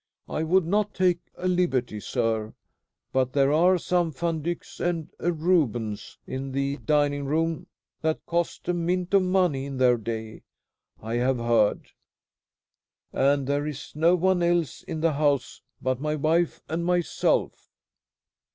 "I would not take a liberty, sir, but there are some Van Dycks and a Rubens in the dining room that cost a mint of money in their day, I have heard; and there is no one else in the house but my wife and myself."